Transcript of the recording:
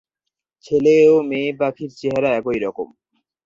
ছেলে ও মেয়ে পাখির চেহারা একইরকম।